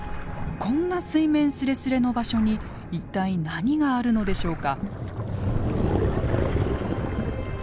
こんな水面すれすれの場所に一体何があるのでしょうか？